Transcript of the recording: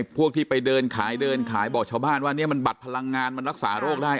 พวกที่ไปเดินขายเดินขายบอกชาวบ้านว่าเนี่ยมันบัตรพลังงานมันรักษาโรคได้